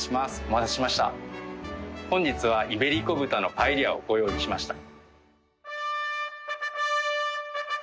本日はイベリコ豚のパエリアをご用意しました。